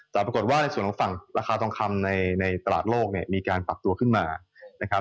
แต่ปรากฏว่าในส่วนของฝั่งราคาทองคำในตลาดโลกเนี่ยมีการปรับตัวขึ้นมานะครับ